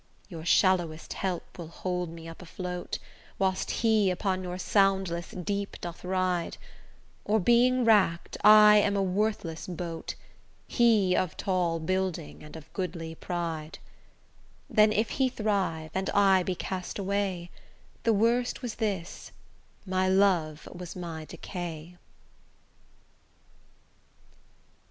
Your shallowest help will hold me up afloat, Whilst he upon your soundless deep doth ride; Or, being wrack'd, I am a worthless boat, He of tall building, and of goodly pride: Then if he thrive and I be cast away, The worst was this: my love was my decay.